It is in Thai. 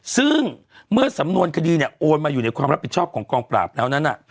ซึ่งเมื่อสำนวนคดีเนี่ยโอนมาอยู่ในความรับผิดชอบของกองปราบแล้วนั้น